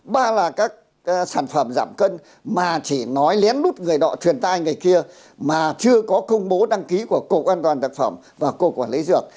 ba là các sản phẩm giảm cân mà chỉ nói lén lút người đọ truyền tai người kia mà chưa có công bố đăng ký của cục an toàn thực phẩm và cục quản lý dược